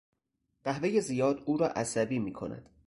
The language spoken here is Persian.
قهوهی زیاد او را عصبی میکند.